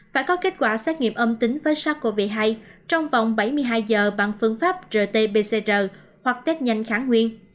phải có kết quả xét nghiệm âm tính với sars cov hai trong vòng bảy mươi hai giờ bằng phương pháp rt pcr hoặc test nhanh kháng nguyên